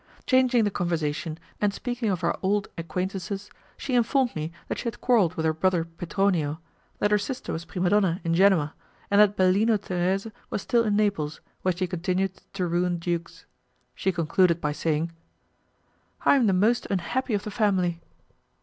Changing the conversation and speaking of our old acquaintances, she informed me that she had quarreled with her brother Petronio, that her sister was primadonna in Genoa, and that Bellino Thérèse was still in Naples, where she continued to ruin dukes. She concluded by saying; "I am the most unhappy of the family."